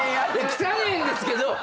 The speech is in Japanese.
汚えんですけど。